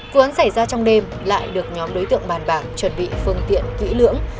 cứu án xảy ra trong đêm lại được nhóm đối tượng bàn bảng chuẩn bị phương tiện kỹ lưỡng